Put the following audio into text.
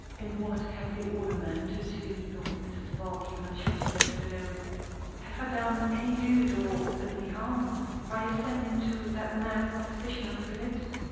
And what have they all amounted to? thought Mrs. Barclay when she was left alone. Have I done any good or only harm by acceding to that mad proposition of Philip's?